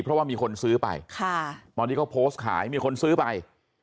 เพราะว่ามีคนซื้อไปตอนที่เขาโพสต์ขายมีคนซื้อไป